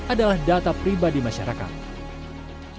adalah data pribadi masyarakat